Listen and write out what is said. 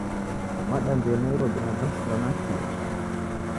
Mwadambie Nairobi na basi ra nakio?